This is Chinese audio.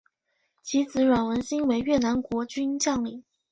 其子阮文馨为越南国军将领。